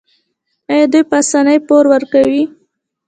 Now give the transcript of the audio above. آیا دوی په اسانۍ پور ورکوي؟